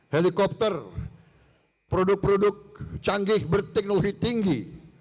helikopter produk produk canggih berteknologi tinggi